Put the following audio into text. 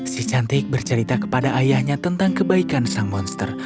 si cantik bercerita kepada ayahnya tentang kebaikan sang monster